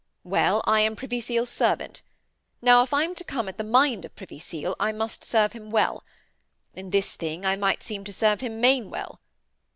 Well: I am Privy Seal's servant. Now, if I am to come at the mind of Privy Seal, I must serve him well. In this thing I might seem to serve him main well.